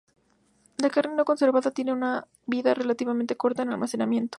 La carne no conservada tiene una vida relativamente corta en almacenamiento.